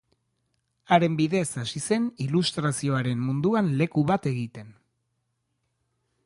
Haren bidez hasi zen ilustrazioaren munduan leku bat egiten.